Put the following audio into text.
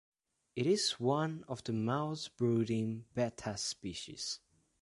It is one of the mouthbrooding "Betta" species.